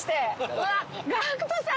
うわっＧＡＣＫＴさん！